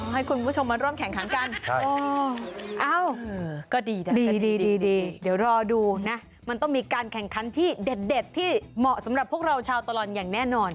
อ๋อให้คุณผู้ชมมาร่วมแข่งขันกัน